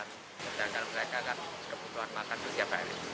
sedangkan mereka kan kebutuhan makan itu tiap hari